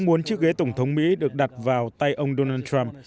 muốn chiếc ghế tổng thống mỹ được đặt vào tay ông donald trump